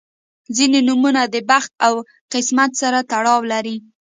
• ځینې نومونه د بخت او قسمت سره تړاو لري.